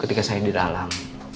ketika saya di dalam